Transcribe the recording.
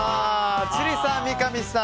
千里さん、三上さん